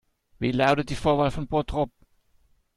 Wie lautet die Vorwahl von Bottrop?